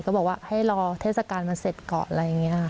ก็บอกว่าให้รอเทศกาลมันเสร็จก่อนอะไรอย่างนี้ค่ะ